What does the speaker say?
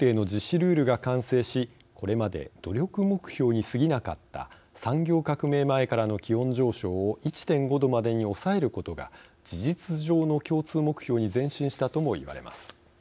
ルールが完成しこれまで努力目標にすぎなかった産業革命前からの気温上昇を１．５℃までに抑えることが事実上の共通目標に前進したともいわれます。